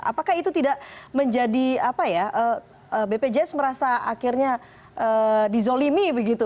apakah itu tidak menjadi bpjs merasa akhirnya dizolimi begitu